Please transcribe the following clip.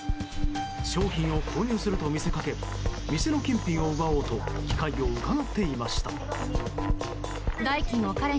商品を購入すると見せかけ店の金品を奪おうと機会をうかがっていました。